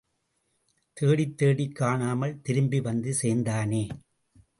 தேடித் தேடிக் காணாமல் திரும்பி வந்து சேர்ந்தானே!